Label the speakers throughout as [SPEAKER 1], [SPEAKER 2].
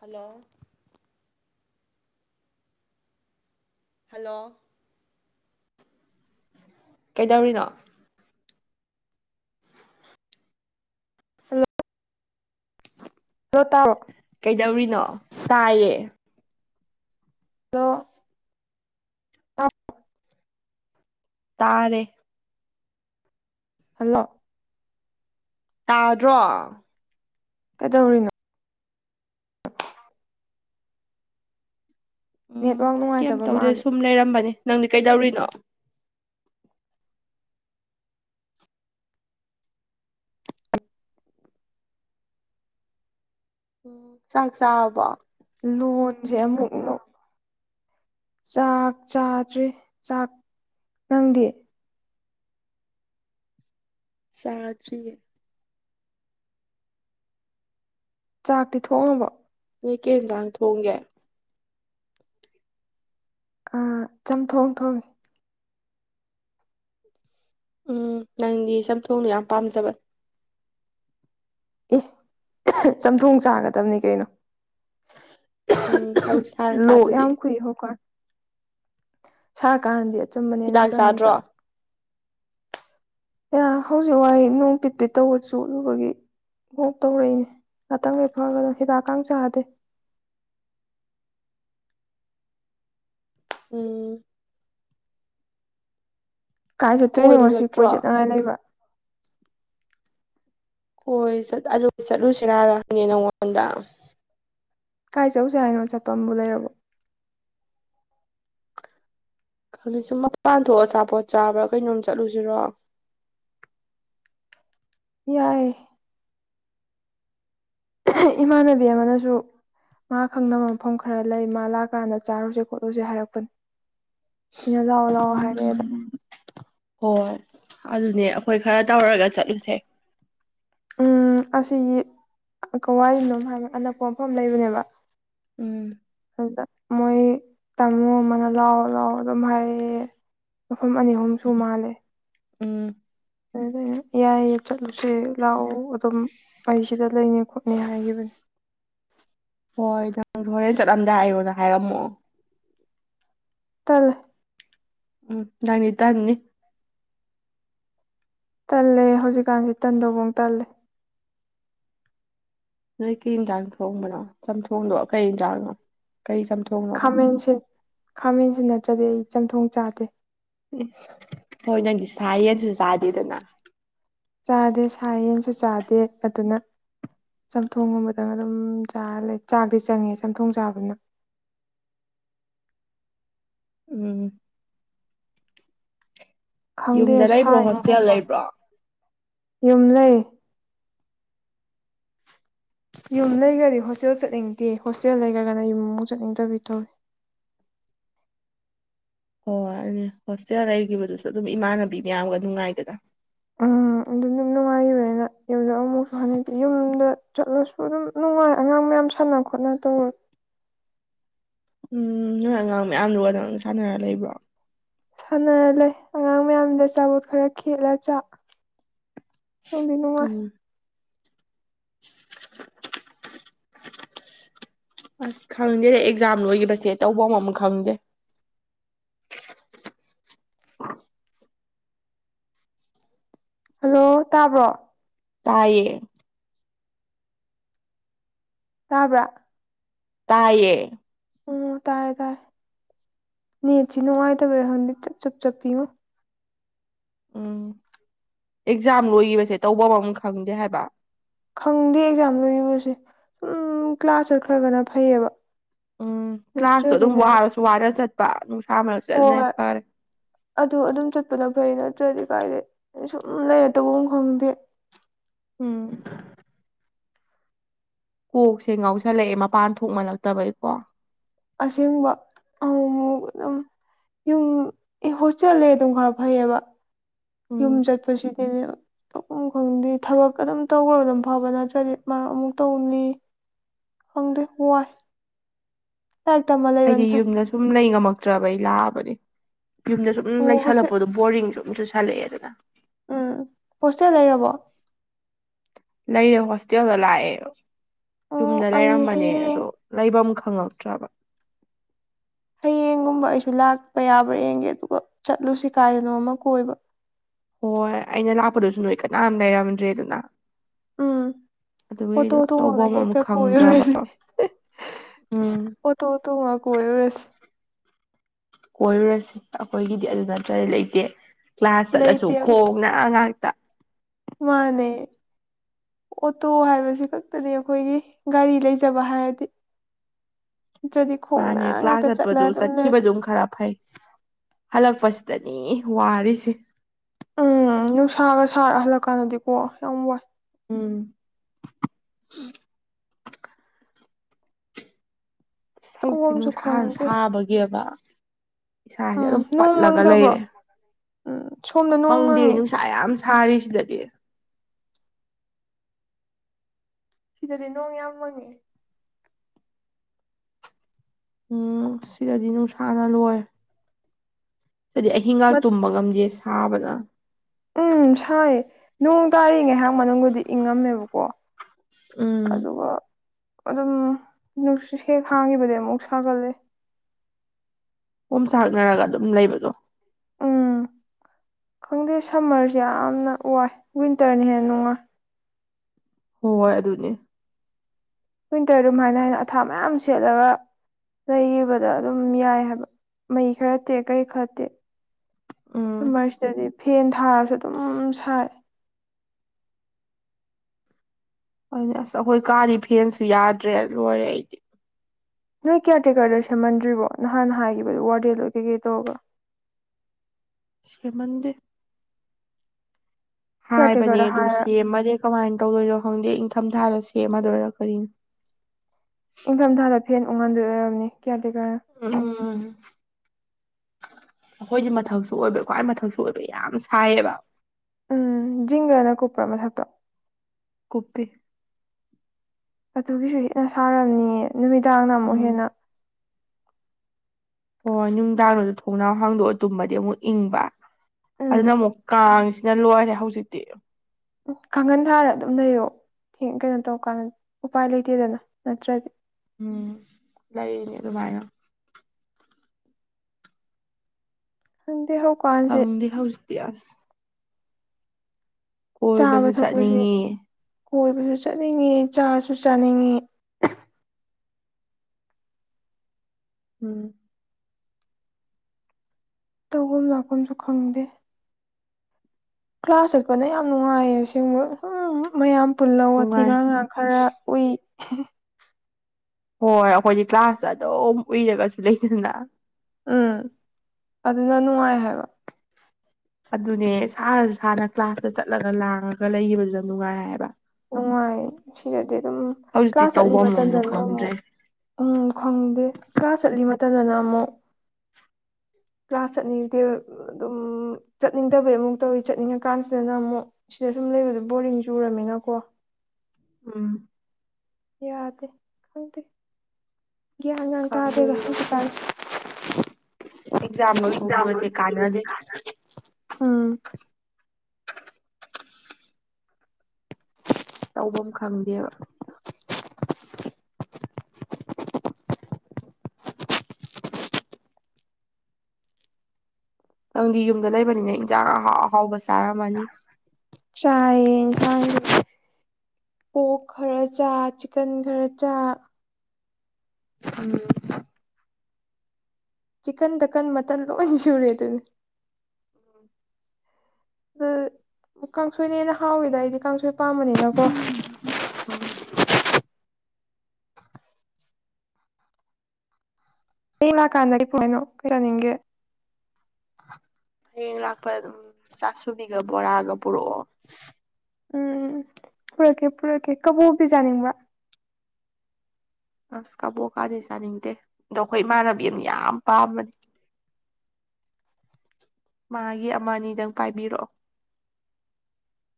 [SPEAKER 1] hello hello ꯀꯩꯗꯧꯔꯤꯅꯣ
[SPEAKER 2] hello hello ꯇꯥꯕ꯭ꯔꯣ
[SPEAKER 1] ꯀꯩꯗꯧꯔꯤꯅꯣ ꯇꯥꯏꯌꯦ
[SPEAKER 2] [unintelligible]
[SPEAKER 1] ꯇꯥꯔꯦ
[SPEAKER 2] ꯍꯜꯂꯣ
[SPEAKER 1] ꯇꯥꯗ꯭ꯔꯣ
[SPEAKER 2] ꯀꯩꯗꯧꯔꯤꯅꯣ
[SPEAKER 1] ꯎꯝ
[SPEAKER 2] ꯅꯦꯠꯋꯥꯛ
[SPEAKER 1] ꯀꯩꯝ
[SPEAKER 2] ꯅꯨꯡꯉꯥꯏꯇꯕ
[SPEAKER 1] ꯇꯧꯗꯦ
[SPEAKER 2] ꯃꯥꯜꯂꯦ
[SPEAKER 1] ꯁꯨꯝ ꯂꯩꯔꯝꯕꯅꯦ ꯅꯪꯗꯤ ꯀꯩꯗꯧꯔꯤꯅꯣ ꯆꯥꯛ ꯆꯥꯔꯕꯣ
[SPEAKER 2] ꯂꯣꯟꯁꯦ ꯑꯃꯨꯛ ꯑꯃꯨꯛ ꯆꯥꯛ ꯆꯥꯗ꯭ꯔꯤ ꯆꯥꯛ ꯅꯪꯗꯤ
[SPEAKER 1] ꯆꯥꯗ꯭ꯔꯤ
[SPEAKER 2] ꯆꯥꯛꯇꯤ ꯊꯣꯡꯉꯥꯕꯣ
[SPEAKER 1] ꯅꯣꯏ ꯀꯩ ꯌꯦꯟꯖꯥꯡ ꯊꯣꯡꯒꯦ
[SPEAKER 2] ꯑꯥ ꯆꯝꯊꯣꯡ ꯊꯣꯡꯉꯦ
[SPEAKER 1] ꯎꯝ ꯅꯪꯗꯤ ꯆꯝꯊꯣꯡꯅ ꯌꯥꯝ ꯄꯥꯝꯖꯕ
[SPEAKER 2] ꯑꯦ ꯆꯝꯊꯣꯡ ꯆꯥꯒꯗꯕꯅꯤ ꯀꯩꯅꯣ
[SPEAKER 1] ꯎꯝ ꯍꯧꯖꯤꯛ
[SPEAKER 2] ꯂꯣꯛ
[SPEAKER 1] ꯁꯥꯔꯀꯥꯟꯗꯗꯤ
[SPEAKER 2] ꯌꯥꯝ ꯀꯨꯏ [unintelligible] ꯁꯥꯔ ꯀꯥꯟꯗꯗꯤ ꯑꯆꯝꯕꯅ ꯍꯦꯟꯅ
[SPEAKER 1] ꯍꯤꯗꯥꯛ
[SPEAKER 2] ꯆꯪꯉꯦ
[SPEAKER 1] ꯆꯥꯗ꯭ꯔꯣ
[SPEAKER 2] ꯆꯥꯛ ꯍꯧꯖꯤꯛ ꯋꯥꯢ ꯅꯣꯡ ꯄꯤꯠ ꯄꯤꯠ ꯇꯧꯕꯗꯥ ꯆꯣꯠꯂꯨꯕꯒꯤ ꯂ‌ꯣꯛ ꯇꯧꯔꯤꯅꯦ ꯉꯥꯛꯇꯪ ꯂꯩꯔ ꯐꯒ꯭ꯔꯅꯤ ꯍꯤꯗꯥꯛꯀꯪ ꯆꯥꯗꯦ
[SPEAKER 1] ꯎꯝ
[SPEAKER 2] ꯀꯥꯏ ꯆꯠꯇꯣꯏꯅ‌ꯣ
[SPEAKER 1] ꯀꯣꯏꯕ
[SPEAKER 2] ꯉꯁꯤ
[SPEAKER 1] ꯆꯠꯇ꯭ꯔꯣ
[SPEAKER 2] ꯀꯣꯏ ꯆꯠꯅꯉꯥꯏ ꯂꯩꯕꯔ
[SPEAKER 1] ꯀ‌ꯣꯏ ꯆꯠ ꯑꯗꯨ ꯆꯠꯂꯨꯁꯤꯔꯥ [unintelligible] ꯅꯪꯉꯣꯟꯗ
[SPEAKER 2] ꯀꯥꯏ ꯆꯧꯁꯦ ꯍꯥꯏꯅꯣ ꯆꯠꯄꯝꯕꯨ ꯂꯩꯔꯕꯣ
[SPEAKER 1] ꯈꯪꯗ‌ꯦ ꯁꯨꯝ ꯃꯄꯥꯟ ꯊꯣꯛꯑ ꯑꯆꯥꯄꯣꯠ ꯆꯥꯕ꯭ꯔꯥ ꯀꯩꯅꯣꯝ ꯆꯠꯂꯨꯖꯤꯔꯣ
[SPEAKER 2] ꯌꯥꯏ ꯏꯃꯥꯟꯅꯕꯤ ꯑꯃꯅꯁꯨ ꯃꯥ ꯈꯪꯅꯕ ꯃꯐꯝ ꯈꯔ ꯂꯩ ꯃꯥ ꯂꯥꯛꯀꯥꯟꯗ ꯆꯥꯔꯨꯁꯦ ꯈꯣꯠꯂꯨꯁꯦ ꯍꯥꯏꯔꯛꯄꯟ ꯃꯤꯅ ꯂꯥꯎ ꯂꯥꯎ ꯍꯥꯏꯔꯑꯦꯗ
[SPEAKER 1] ꯍꯣꯏ ꯑꯗꯨꯅꯦ ꯑꯩꯈꯣꯏ ꯈꯔ ꯇꯧꯔꯒ ꯆꯠꯂꯨꯁꯦ
[SPEAKER 2] ꯎꯝ ꯑꯁꯤꯒꯤ ꯀꯋꯥꯏꯅꯣꯝ ꯍꯥꯏꯕꯅ‌ꯦ ꯑꯅꯛꯄ ꯃꯐꯝ ꯂꯩꯕꯅꯦꯕ
[SPEAKER 1] ꯎꯝ
[SPEAKER 2] ꯈꯪꯕ꯭ꯔꯥ ꯃꯣꯏ ꯒꯤ ꯇꯥꯃꯣ ꯑꯃꯅ ꯂꯥꯎꯑꯣ ꯂꯥꯎꯑꯣ ꯑꯗꯨꯝ ꯍꯥꯏꯔꯛꯑꯦ ꯃꯐꯝ ꯑꯅꯤ ꯑꯍꯨꯝ ꯁꯨ ꯃꯥꯜꯂꯦ
[SPEAKER 1] ꯎꯝ
[SPEAKER 2] ꯑꯗꯨꯗ ꯑꯩꯅ ꯌꯥꯏꯌꯦ ꯆꯠꯂꯨꯁꯦ ꯂꯥꯛꯑꯣ ꯑꯗꯨꯝ ꯑꯩꯁꯤꯗ ꯂꯩꯅꯤ ꯈꯣꯠꯅꯤ ꯍꯥꯏꯈꯤꯕꯟ
[SPEAKER 1] ꯍꯣꯏ ꯅꯪꯁꯨ ꯍꯣꯔꯦꯟ ꯆꯠꯂꯝꯗꯥꯏ ꯑꯩꯉ‌ꯣꯟꯗ ꯍꯥꯏꯔꯝꯃ‌ꯣ
[SPEAKER 2] ꯇꯜ
[SPEAKER 1] ꯎꯝ ꯅꯪꯗꯤ ꯇꯟꯅꯤ
[SPEAKER 2] ꯇꯜꯂꯦ ꯍꯧꯖꯤꯛꯀꯥꯟꯁꯦ ꯇꯟꯗꯐꯧ ꯇꯜꯂꯦ
[SPEAKER 1] ꯅꯣꯏ ꯀꯩ ꯏꯟꯖꯥꯡ ꯊꯣꯡꯕꯅꯣ ꯆꯝꯊꯣꯡꯗꯣ ꯀꯩ ꯏꯟꯖꯥꯡꯅꯣ ꯀꯩ ꯆꯝꯊꯣꯡ
[SPEAKER 2] ꯈꯥꯃꯦꯟꯁꯤꯟ ꯈꯥꯃꯦꯟꯁꯤꯟ ꯅꯠꯇ꯭ꯔꯗꯤ ꯑꯩ ꯆꯝꯊꯣꯡ ꯆꯥꯗꯦ
[SPEAKER 1] ꯏꯁ ꯍꯣꯏ ꯅꯪꯗꯤ ꯁꯥꯥꯌꯦꯟꯁꯨ ꯆꯥꯗꯦꯗꯅ
[SPEAKER 2] ꯆꯥꯗꯦ ꯁꯥ ꯌꯦꯟꯁꯨ ꯆꯥꯗꯦ ꯑꯗꯨꯅ ꯆꯝꯊꯣꯡꯒꯨꯝꯕꯗꯪ ꯑꯗꯨꯝ ꯆꯥ ꯂꯩ ꯆꯥꯛꯇꯤ ꯆꯪꯉꯦ ꯆꯝꯊꯣꯡ ꯆꯥꯕꯅ
[SPEAKER 1] ꯎꯝ
[SPEAKER 2] ꯈꯪꯗꯦ
[SPEAKER 1] ꯌꯨꯝꯗ ꯂꯩꯕ꯭ꯔꯣ
[SPEAKER 2] ꯁꯥꯏ
[SPEAKER 1] ꯍꯣꯁꯇꯦꯜ
[SPEAKER 2] [unintelligible]
[SPEAKER 1] ꯂꯩꯕ꯭ꯔꯣ
[SPEAKER 2] ꯌꯨꯝ ꯂꯩ ꯌꯨꯝ ꯂꯩꯈ꯭ꯔꯗꯤ ꯍꯣꯁꯇꯦꯜ ꯆꯠꯅꯤꯡꯗꯦ ꯍꯣꯁꯇꯦꯜ ꯂꯩꯈ꯭ꯔꯒꯅ ꯌꯨꯝ ꯑꯃꯨꯛ ꯆꯠꯅꯤꯡꯗꯕꯤ ꯇꯧꯋꯤ
[SPEAKER 1] ꯍꯣꯏ ꯑꯗꯨꯅꯤ ꯍꯣꯁꯇꯦꯜ ꯂꯩꯈꯤꯕꯗꯨꯁꯨ ꯑꯗꯨꯝ ꯏꯃꯥꯟꯅꯕꯤ ꯃꯌꯥꯝꯒ ꯅꯨꯡꯉꯥꯏꯗꯅ
[SPEAKER 2] ꯎꯝ ꯑꯗꯨ ꯑꯗꯨꯝ ꯅꯨꯡꯉꯥꯏꯈꯤꯕꯅꯤꯅ ꯌꯨꯝ ꯗ ꯑꯃꯨꯛꯁꯨ ꯍꯟꯅꯤꯡꯇꯤ ꯌꯨꯝꯗ ꯆꯠꯂꯁꯨ ꯑꯗꯨꯝ ꯅꯨꯡꯉꯥꯏ ꯑꯉꯥꯡ ꯃꯌꯥꯝ ꯁꯥꯟꯅ ꯈꯣꯠꯅ ꯇꯧꯔ
[SPEAKER 1] ꯎꯝ ꯅꯣꯏ ꯑꯉꯥꯡ ꯃꯌꯥꯝꯗꯨꯒ ꯅꯪ ꯁꯥꯟꯅꯔ ꯂꯩꯕ꯭ꯔꯣ
[SPEAKER 2] ꯁꯥꯟꯅꯔ ꯂꯩ ꯑꯉꯥꯡ ꯃꯌꯥꯝꯗ ꯑꯆꯥꯕꯣꯠ ꯈꯔ ꯈꯦꯠꯂ ꯆꯥ ꯅꯨꯡꯗꯤ ꯅꯨꯡꯉꯥꯏ
[SPEAKER 1] ꯎꯝ [inaudible] ꯑꯁ ꯈꯪꯗꯦꯗ ꯑꯦꯛꯖꯥꯝ ꯂꯣꯏꯈꯤꯕꯁꯦ ꯇꯧꯕꯝ ꯑꯝ ꯈꯪꯗꯦ
[SPEAKER 2] ꯍꯜꯂꯣ ꯇꯥꯕ꯭ꯔꯣ
[SPEAKER 1] ꯇꯥꯏꯌꯦ
[SPEAKER 2] ꯇꯥꯕ꯭ꯔꯥ
[SPEAKER 1] ꯇꯥꯏꯌꯦ
[SPEAKER 2] ꯑꯣ ꯇꯥꯔꯦ ꯇꯥꯔꯦ ꯅꯦꯠꯁꯤ ꯅꯨꯡꯉꯥꯏꯇꯕꯩꯔ ꯈꯪꯗ‌ꯦ ꯆꯞ ꯆꯞ ꯆꯞꯄꯤꯉ‌ꯣ
[SPEAKER 1] ꯎꯝ ꯑꯦꯛꯖꯥꯝ ꯂꯣꯏꯈꯤꯕꯁꯦ ꯇꯧꯕꯝ ꯑꯝ ꯈꯪꯗꯦ ꯍꯥꯏꯕ
[SPEAKER 2] ꯈꯪꯗꯦ ꯑꯦꯛꯖꯥꯝ ꯂ‌ꯣꯏꯈꯤꯕꯁꯦ ꯁꯨꯝ ꯀ꯭ꯂꯥꯁ ꯆꯠꯈ꯭ꯔꯒꯅ ꯐꯩꯌꯦꯕ
[SPEAKER 1] ꯎꯝ ꯀ꯭ꯂꯥꯁꯇꯣ ꯑꯗꯨꯝ
[SPEAKER 2] ꯅꯠꯇ꯭ꯔꯗꯤꯅꯦ
[SPEAKER 1] ꯋꯥꯔꯁꯨ ꯋꯥꯔ ꯆꯠꯄ ꯅꯨꯡꯁꯥ ꯃꯔꯛ ꯆꯠꯂꯤꯅꯦ
[SPEAKER 2] ꯍꯣꯏ
[SPEAKER 1] ꯐꯔꯦ
[SPEAKER 2] ꯑꯗꯨ ꯑꯗꯨꯝ ꯆꯠꯄꯅ ꯐꯩ ꯅꯠꯇ꯭ꯔꯗꯤ ꯀꯥꯏꯗ ꯁꯨꯝ ꯂꯩꯔ ꯇꯧꯕꯝ ꯈꯪꯗꯦ
[SPEAKER 1] ꯎꯝ ꯀꯣꯛꯁꯦ ꯉꯥꯎꯁꯜꯂꯛꯑꯦ ꯃꯄꯥꯟ ꯊꯣꯛꯃꯜꯂꯛꯇꯕꯩꯀꯣ
[SPEAKER 2] ꯑꯁꯦꯡꯕ ꯑꯃꯨꯃꯨꯛ ꯑꯗꯨꯝ ꯌꯨꯝ ꯍꯣꯁꯇꯦꯜ ꯂꯩꯔꯗꯨꯝ ꯈꯔ ꯐꯩꯌꯦꯕ ꯌꯨꯝ
[SPEAKER 1] ꯎꯝ
[SPEAKER 2] ꯆꯠꯄꯁꯤꯗꯤꯅꯦ ꯇꯧꯐꯝ ꯈꯪꯗꯦ ꯊꯕꯛ ꯑꯗꯨꯝ ꯇꯧꯒ꯭ꯔ ꯑꯗꯨꯝ ꯐꯕ ꯅꯠꯇ꯭ꯔꯗꯤ ꯃꯥꯔꯛ ꯑꯃꯨꯛ ꯇꯧꯅꯤ ꯈꯪꯗꯦ ꯋꯥꯢ [unintelligible]
[SPEAKER 1] ꯑꯩꯗꯤ ꯌꯨꯝꯗ ꯁꯨꯝ ꯂꯩ ꯉꯝꯃꯛꯇ꯭ꯔꯕ ꯑꯩ ꯂꯥꯛꯑꯕꯅꯦ ꯌꯨꯝꯗ ꯁꯨꯝ
[SPEAKER 2] ꯑꯣ ꯍꯣꯁꯇꯦꯜ
[SPEAKER 1] ꯂꯩꯁꯜꯂꯛꯄꯗꯣ ꯕꯣꯔꯤꯡ ꯁꯨꯝ ꯆꯨꯁꯜꯂꯛꯑꯦꯗꯅ
[SPEAKER 2] ꯎꯝ ꯍꯣꯁꯇꯦꯜ ꯂꯩꯔꯕꯣ
[SPEAKER 1] ꯂꯩꯔꯦ ꯍꯣꯁꯇꯦꯜꯗ ꯂꯥꯛꯑꯦ
[SPEAKER 2] ꯑꯣ
[SPEAKER 1] ꯌꯨꯝꯗ
[SPEAKER 2] ꯑꯩ
[SPEAKER 1] ꯂꯩꯔꯝꯕꯅꯦ
[SPEAKER 2] ꯍꯌꯦꯡ
[SPEAKER 1] ꯑꯗꯣ ꯂꯩꯕꯝ ꯈꯪꯉꯛꯇ꯭ꯔꯕ
[SPEAKER 2] ꯍꯌꯦꯡꯒꯨꯝꯕ ꯑꯩꯁꯨ ꯂꯥꯛꯄ ꯌꯥꯕ꯭ꯔꯥ ꯌꯦꯡꯒꯦ ꯑꯗꯨꯒ ꯆꯠꯂꯨꯁꯤ ꯀꯥꯏꯗꯅꯣꯝꯃ ꯀꯣꯏꯕ
[SPEAKER 1] ꯍꯣꯏ ꯑꯩꯅ ꯂꯥꯛꯄꯗꯁꯨ ꯅꯣꯏ ꯀꯅꯥꯝ ꯂꯩꯔꯝꯗ꯭ꯔꯦꯗꯅ
[SPEAKER 2] ꯎꯝ
[SPEAKER 1] ꯑꯗꯨꯒꯤ
[SPEAKER 2] ꯑꯣꯇꯣ
[SPEAKER 1] ꯑꯩꯗꯣ
[SPEAKER 2] ꯇꯣꯡꯉꯒ
[SPEAKER 1] ꯇꯧꯐꯝ ꯑꯃ
[SPEAKER 2] ꯍꯦꯛꯇ
[SPEAKER 1] ꯈꯪꯗ꯭ꯔꯕ
[SPEAKER 2] ꯀꯣꯏꯔꯨꯔꯁꯤ
[SPEAKER 1] ꯎꯝ
[SPEAKER 2] ꯑꯣꯇꯣ ꯇꯣꯡꯉ ꯀꯣꯏꯔꯨꯔꯁꯤ
[SPEAKER 1] ꯀꯣꯏꯔꯨꯔꯁꯤ ꯑꯩꯈꯣꯏꯒꯤꯗꯤ ꯑꯗꯨ ꯅꯠꯇ꯭ꯔꯗꯤ ꯂꯩꯇꯦ ꯀ꯭ꯂꯥꯁ ꯆꯠꯂꯁꯨ
[SPEAKER 2] ꯂꯩꯇꯦꯕ
[SPEAKER 1] ꯈꯣꯡ ꯅꯑ ꯉꯥꯛꯇ
[SPEAKER 2] ꯃꯥꯅꯦ ꯑꯣꯇꯣ ꯍꯥꯏꯕꯁꯤ ꯈꯛꯇꯅꯤ ꯑꯩꯈꯣꯏꯒꯤ ꯒꯥꯔꯤ ꯂꯩꯖꯕ ꯍꯥꯏꯔꯗꯤ [unintelligible]
[SPEAKER 1] ꯃꯥꯅꯦ ꯀ꯭ꯂꯥꯁ
[SPEAKER 2] ꯉꯥꯛꯇ ꯆꯠꯂ
[SPEAKER 1] ꯆꯠꯄꯗꯨ
[SPEAKER 2] ꯑꯗꯨꯝ ꯂꯩꯔꯦ
[SPEAKER 1] ꯆꯠꯈꯤꯕꯗꯨꯝ ꯈꯔ ꯐꯩ ꯍꯜꯂꯛꯄꯁꯤꯗꯅꯤ ꯋꯥꯔꯤꯁꯦ
[SPEAKER 2] ꯎꯝ ꯅꯨꯡꯁꯥꯒ ꯁꯥꯔꯥ ꯍꯜꯂꯛꯀꯥꯟꯗꯗꯤꯀꯣ ꯌꯥꯝ ꯋꯥꯏ
[SPEAKER 1] ꯎꯝ ꯁꯛꯇꯤ
[SPEAKER 2] ꯇꯧꯐꯝꯁꯨ
[SPEAKER 1] ꯅꯨꯡꯁꯥ
[SPEAKER 2] ꯈꯪꯗꯦ
[SPEAKER 1] ꯁꯥꯕꯒꯤꯕ ꯏꯁꯥꯁꯦ
[SPEAKER 2] ꯎꯝ
[SPEAKER 1] ꯑꯗꯨꯝ
[SPEAKER 2] ꯅꯣꯡ
[SPEAKER 1] ꯄꯠꯂꯒ
[SPEAKER 2] ꯃꯪꯗꯕ꯭ꯔꯣ
[SPEAKER 1] ꯂꯩꯔꯦ
[SPEAKER 2] ꯎꯝ ꯁꯣꯝꯗ ꯅꯣꯡ
[SPEAKER 1] ꯄꯪꯗꯦ
[SPEAKER 2] ꯃꯪꯉꯦ
[SPEAKER 1] ꯅꯨꯡꯁꯥ ꯌꯥꯝ ꯁꯥꯔꯤꯁꯤꯗꯗꯤ
[SPEAKER 2] ꯁꯤꯗꯗꯤ ꯅꯣꯡ ꯌꯥꯝ ꯃꯪꯉꯦ
[SPEAKER 1] ꯎꯝ ꯁꯤꯗꯗꯤ ꯅꯨꯡꯁꯥꯅ ꯂꯣꯏꯔꯦ ꯑꯩꯗꯤ ꯑꯍꯤꯡꯒꯥꯛ ꯇꯨꯝꯕ ꯉꯝꯗꯦ ꯁꯥꯕꯅ
[SPEAKER 2] ꯎꯝ ꯁꯥꯏ ꯅꯣꯡ ꯇꯥꯔꯤꯉꯩꯥꯏꯍꯥꯛ ꯃꯅꯨꯡꯗꯗꯤ ꯏꯪꯉꯝꯃꯦꯕꯀꯣ
[SPEAKER 1] ꯎꯝ
[SPEAKER 2] ꯑꯗꯨꯒ ꯑꯗꯨꯝ ꯅꯨꯡꯁꯤꯠ ꯍꯦꯛ ꯍꯥꯡꯒꯤꯕꯗꯤ ꯑꯃꯨꯛ ꯁꯥꯒꯠꯂꯦ
[SPEAKER 1] ꯑꯣꯝ ꯆꯥꯛꯅꯔꯒ ꯑꯗꯨꯝ ꯂꯩꯕꯗꯣ
[SPEAKER 2] ꯎꯝ ꯈꯪꯗꯦ ꯁꯝꯃꯔꯁꯦ ꯌꯥꯝꯅ ꯋꯥꯏ ꯋꯤꯟꯇꯔꯅ ꯍꯦꯟꯅ ꯅꯨꯡꯉꯥꯏ
[SPEAKER 1] ꯍꯣꯏ ꯍꯣꯏ ꯑꯗꯨꯅꯦ
[SPEAKER 2] ꯋꯤꯟꯇꯔ ꯑꯗꯨꯃꯥꯏꯅ ꯍꯥꯏꯅ ꯑꯊꯥꯞ ꯃꯌꯥꯝ ꯁꯦꯠꯂꯒ ꯂꯩꯕꯗ ꯑꯗꯨꯝ ꯌꯥꯏ ꯍꯥꯏꯕ ꯃꯩ ꯈꯔ ꯇꯦ ꯀꯩ ꯈꯔꯠꯇꯦ
[SPEAKER 1] ꯎꯝ
[SPEAKER 2] ꯁꯝꯃꯔꯁꯤꯗꯗꯤ ꯐꯦꯟ ꯊꯥꯔꯁꯨ ꯑꯗꯨꯝ ꯁꯥꯏ
[SPEAKER 1] ꯍꯣꯏꯅꯦ ꯑꯁ ꯑꯩꯈꯣꯏ ꯀꯥꯗꯤ ꯐꯦꯟꯁꯨ ꯌꯥꯗ꯭ꯔꯦ ꯂꯣꯏꯔꯦ ꯑꯩꯗꯤ
[SPEAKER 2] ꯅꯣꯏ ꯀꯤꯌꯥꯔ ꯇꯦꯀꯔꯗ ꯁꯦꯝꯃꯟꯗ꯭ꯔꯤꯕꯣ ꯅꯍꯥꯟ ꯍꯥꯏꯈꯤꯕꯩ ꯋꯥꯔꯗꯦꯦꯜ ꯂꯣꯏ ꯀꯩꯀꯩ ꯇꯧꯔꯒ
[SPEAKER 1] ꯁꯦꯝꯃꯟꯗꯦ ꯍꯥꯏꯕꯅꯦ
[SPEAKER 2] ꯀꯤꯌꯥꯔꯇꯦꯀꯔꯗ
[SPEAKER 1] ꯑꯗꯨ
[SPEAKER 2] ꯍꯥꯏꯔ
[SPEAKER 1] ꯁꯦꯝꯃꯗꯤ ꯀꯃꯥꯏꯅ ꯇꯧꯗꯣꯏꯅꯣ ꯈꯪꯗꯦ ꯏꯪꯊꯝ ꯊꯥꯗ ꯁꯦꯝꯃꯗꯣꯏꯔ ꯀꯔꯤꯅꯣ
[SPEAKER 2] ꯏꯪꯊꯝꯊꯥꯗ ꯐꯦꯟ ꯎꯪꯍꯟꯗꯣꯏ ꯑꯣꯏꯔꯝꯅꯤ ꯀꯤꯌꯔ ꯇꯦꯀꯔꯅ
[SPEAKER 1] ꯎꯝ ꯑꯩꯈꯣꯏꯗꯤ ꯃꯊꯛꯁꯨ ꯑꯣꯏꯕ ꯈ꯭ꯋꯥꯏ ꯃꯊꯛꯁꯨ ꯑꯣꯏꯕ ꯌꯥꯝ ꯁꯥꯏꯌꯦꯕ
[SPEAKER 2] ꯎꯝ ꯖꯤꯡꯒꯅ ꯀꯨꯄꯔ ꯃꯊꯛꯇꯣ
[SPEAKER 1] ꯀꯨꯞꯄꯤ
[SPEAKER 2] ꯑꯗꯨꯒꯤꯁꯨ ꯍꯦꯟꯅ ꯁꯥꯔꯝꯅꯤꯌꯦ ꯅꯨꯃꯤꯗꯥꯡꯅ ꯑꯃꯨꯛ ꯍꯦꯟꯅ
[SPEAKER 1] ꯍꯣꯏ ꯅꯨꯡꯗꯥꯡꯗꯨꯗ ꯊꯣꯛꯅꯥꯎ ꯍꯥꯡꯗꯣꯛꯑ ꯇꯨꯝꯕꯗꯤ ꯑꯃꯨꯛ ꯏꯪꯕ
[SPEAKER 2] ꯎꯝ
[SPEAKER 1] ꯑꯗꯨꯅ ꯑꯃꯨꯛ ꯀꯥꯡꯁꯤ ꯁꯤ ꯅ ꯂꯣꯏꯔꯦ ꯍꯧꯖꯤꯛꯇꯤ
[SPEAKER 2] ꯀꯥꯡꯈꯟ ꯊꯥꯔ ꯑꯗꯨꯝ ꯂꯩꯌꯣ ꯊꯦꯡ ꯀꯩꯅꯣ ꯇꯧꯀꯥꯟꯗ ꯎꯄꯥꯏ ꯂꯩꯇꯦꯗꯅ ꯅꯠꯇ꯭ꯔꯗꯤ
[SPEAKER 1] ꯎꯝ ꯂꯩꯔꯤꯅꯦ ꯑꯗꯨꯃꯥꯏꯅ
[SPEAKER 2] [unintelligible]
[SPEAKER 1] ꯈꯪꯗꯦ ꯍꯧꯖꯤꯛꯇꯤ ꯑꯁ
[SPEAKER 2] ꯆꯥꯕ
[SPEAKER 1] ꯀꯣꯏꯕꯁꯨ
[SPEAKER 2] ꯊꯛꯄꯁꯤ
[SPEAKER 1] ꯆꯠꯅꯤꯡꯉꯤ
[SPEAKER 2] ꯀꯣꯏꯕꯁꯨ ꯆꯠꯅꯤꯡꯉꯤ ꯆꯥꯁꯨ ꯆꯥꯅꯤꯡꯉꯤ
[SPEAKER 1] ꯎꯝ
[SPEAKER 2] ꯇꯧꯕꯝ ꯂꯥꯛꯐꯝꯁꯨ ꯈꯪꯗꯦ ꯀ꯭ꯂꯥꯁ ꯆꯠꯄꯅ ꯌꯥꯝ ꯅꯨꯡꯉꯥꯏꯌꯦꯡꯕ ꯑꯁꯦꯡꯕ ꯃꯌꯥꯝ ꯄꯨꯜꯍꯧ
[SPEAKER 1] ꯅꯨꯡꯉꯥꯏ
[SPEAKER 2] ꯋꯥꯊꯤꯈꯔ ꯉꯥꯡ ꯈꯔ ꯎꯏ
[SPEAKER 1] ꯍꯣꯏ ꯑꯩꯈꯣꯏꯗꯤ ꯀ꯭ꯂꯥꯁꯇ ꯑꯗꯨꯝ ꯎꯏꯔꯒꯁꯨ ꯂꯩꯗꯅ
[SPEAKER 2] ꯎꯝ ꯑꯗꯨꯅ ꯅꯨꯡꯉꯥꯏ ꯍꯥꯏꯕ
[SPEAKER 1] ꯑꯗꯨꯅꯦ ꯁꯥꯔꯁꯨ ꯁꯥꯅ ꯀ꯭ꯂꯥꯁꯇ ꯆꯠꯂꯒ ꯂꯥꯡꯉꯒ ꯂꯩꯈꯤꯕꯗꯨꯗ ꯅꯨꯡꯉꯥꯏ ꯍꯥꯏꯌꯦꯕ
[SPEAKER 2] ꯅꯨꯡꯉꯥꯏ ꯁꯤꯗꯗꯤ ꯑꯗꯨꯝ
[SPEAKER 1] ꯍꯧꯖꯤꯛꯇꯤ
[SPEAKER 2] ꯀ꯭ꯂꯥꯁ ꯆꯠꯂꯤ
[SPEAKER 1] ꯇꯧꯐꯝꯝꯁꯨ
[SPEAKER 2] ꯃꯇꯝꯗꯅ
[SPEAKER 1] ꯈꯪꯗ꯭ꯔꯦ
[SPEAKER 2] ꯑꯃꯨꯛ ꯎꯝ ꯈꯪꯗꯦ ꯀꯥꯂꯁ ꯆꯠꯂꯤ ꯃꯇꯝꯗꯅ ꯑꯃꯨꯛ ꯀ꯭ꯂꯥꯁ ꯆꯠꯅꯤꯡꯗꯦ ꯑꯗꯨꯝ ꯆꯠꯅꯤꯡꯗꯕꯩ ꯑꯃꯨꯛ ꯇꯧꯋꯤ ꯆꯠꯅꯤꯡꯉꯀꯥꯟꯁꯤꯗꯅ ꯑꯃꯨꯛ ꯁꯤꯗ ꯁꯨꯝ ꯂꯩꯕꯗꯣ ꯕꯣꯔꯤꯡ ꯆꯨꯔꯃꯤꯅꯀꯣ
[SPEAKER 1] ꯎꯝ
[SPEAKER 2] ꯌꯥꯗꯦ ꯈꯪꯗꯦ ꯒ꯭ꯌꯥꯟ ꯌꯥꯟ
[SPEAKER 1] ꯈꯪꯗꯦ
[SPEAKER 2] ꯇꯥꯗꯦ
[SPEAKER 1] ꯑꯗꯨꯅꯦ ꯑꯦꯛꯖꯥꯝ ꯂꯣꯏꯊꯣꯛꯈꯤꯕꯁꯦ ꯀꯥꯟꯅꯗꯦ
[SPEAKER 2] [unintelligible] ꯎꯝ
[SPEAKER 1] ꯇꯧꯕꯝ ꯈꯪꯗꯦꯕ ꯅꯪꯗꯤ ꯌꯨꯝꯗ ꯂꯩꯕꯅꯤꯅ ꯏꯟꯖꯥꯡ ꯑꯍꯥꯎ ꯑꯍꯥꯎꯕ ꯆꯥꯔꯝꯃꯅꯤ
[SPEAKER 2] ꯆꯥꯏꯌꯦ ꯏꯟꯁꯥꯡꯒꯤꯗꯤ ꯄꯣꯛ ꯈꯔ ꯆꯥ ꯆꯤꯛꯀꯟ ꯈꯔ ꯆꯥ
[SPEAKER 1] ꯎꯝ
[SPEAKER 2] ꯆꯤꯛꯀꯟ ꯇꯀꯟ ꯃꯇꯟ ꯂꯣꯏ ꯁꯨꯔꯦ ꯑꯗꯨꯗꯤ
[SPEAKER 1] ꯎꯝ
[SPEAKER 2] ꯑꯗꯨ ꯀꯥꯡꯁꯣꯏꯅꯦ ꯍꯦꯟꯅ ꯍꯥꯎꯋꯤꯗ ꯑꯩꯗꯤ ꯀꯥꯡꯁꯣꯏ ꯄꯥꯝꯕꯅꯤꯅꯀꯣ
[SPEAKER 1] ꯎꯝ
[SPEAKER 2] ꯍꯌꯦꯡ ꯂꯥꯛꯀꯥꯟꯗ ꯀꯔꯤ ꯄꯨꯔꯛꯑꯣ ꯍꯥꯏꯅꯣ ꯀꯔꯤꯆꯥꯅꯤꯡꯒꯦ
[SPEAKER 1] ꯍꯌꯦꯡ ꯂꯥꯛꯄ ꯑꯗꯨꯝ ꯆꯥꯁꯨꯕꯤꯒ ꯕꯣꯔꯥꯒ ꯄꯨꯔꯛꯑꯣ
[SPEAKER 2] ꯎꯝ ꯄꯨꯔꯛꯀꯦ ꯄꯨꯔꯛꯀꯦ ꯀꯕꯣꯛꯇꯤ ꯆꯥꯅꯤꯡꯕ꯭ꯔꯥ
[SPEAKER 1] ꯑꯁ ꯀꯥꯕꯣꯛ ꯀꯥꯗꯤ ꯆꯥꯅꯤꯡꯗꯦ ꯑꯗꯣ ꯑꯩꯈꯣꯏ ꯏꯃꯥꯟꯅꯕꯤ ꯑꯃꯅ ꯌꯥꯝ ꯄꯥꯝꯕꯅꯤ ꯃꯥꯒꯤ ꯑꯃꯅꯤ ꯑꯅꯤꯗꯪ ꯄꯥꯏꯕꯤꯔꯛꯑꯣ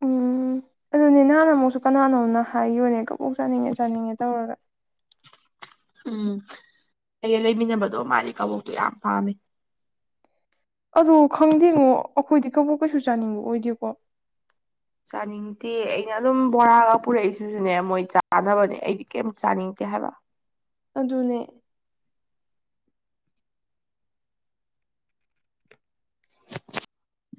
[SPEAKER 2] ꯎꯝ ꯑꯗꯨꯅꯦ ꯅꯍꯥꯟ ꯑꯃꯨꯛꯁꯨ ꯀꯅꯥꯅꯣꯅ ꯍꯥꯏꯈꯤꯕꯅꯦ ꯀꯕꯣꯛ ꯆꯥꯅꯤꯡꯉꯦ ꯆꯥꯅꯤꯡꯉꯦ ꯇꯧꯔꯒ
[SPEAKER 1] ꯎꯝ ꯑꯩꯒ ꯂꯩꯃꯤꯟꯅꯕꯗꯣ ꯃꯥꯗꯤ ꯀꯕꯣꯛꯇꯣ ꯌꯥꯝ ꯄꯥꯝꯃꯦ
[SPEAKER 2] ꯑꯗ ꯈꯪꯗꯦꯉꯣ ꯑꯩꯈꯣꯏꯗꯤ ꯀꯕꯣꯛ ꯀꯩꯁꯨ ꯆꯥꯅꯤꯡꯕ ꯑꯣꯏꯗꯦꯀꯣ
[SPEAKER 1] ꯆꯥꯅꯤꯡ ꯗꯤ ꯑꯩꯅ ꯑꯗꯨꯝ ꯕꯣꯔꯥꯒ ꯄꯨꯔꯛꯏꯁꯤꯁꯨꯅꯦ ꯃꯣꯏ ꯆꯥꯅꯕꯅꯦ ꯑꯩꯗꯤ ꯀꯩꯝ ꯆꯥꯅꯤꯡꯗꯦ ꯍꯥꯏꯕ
[SPEAKER 2] ꯑꯗꯨꯅꯦ